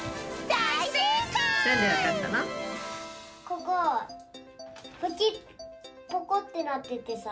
ここぽこってなっててさ。